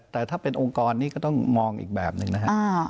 แต่ถ้าเป็นองค์กรนี้ก็ต้องมองอีกแบบหนึ่งนะครับ